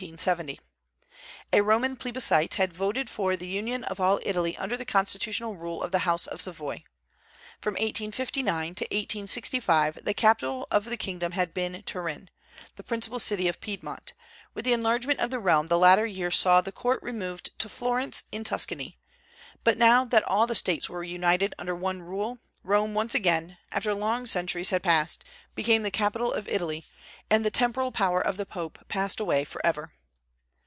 A Roman plebiscite had voted for the union of all Italy under the constitutional rule of the House of Savoy. From 1859 to 1865 the capital of the kingdom had been Turin, the principal city of Piedmont; with the enlargement of the realm the latter year saw the court removed to Florence, in Tuscany; but now that all the States were united under one rule, Rome once again, after long centuries had passed, became the capital of Italy, and the temporal power of the Pope passed away forever.